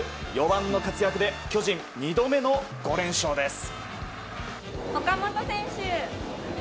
４番の活躍で巨人、２度目の５連勝です。